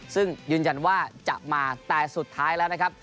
ซึ่งยืนยันว่าจะมาแต่สุดท้ายแล้วนะครับ